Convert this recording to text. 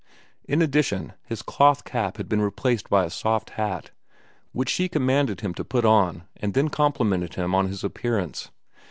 In addition, his cloth cap had been replaced by a soft hat, which she commanded him to put on and then complimented him on his appearance.